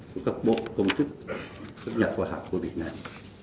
một cấp bộ công chức cấp nhật khoa học của việt nam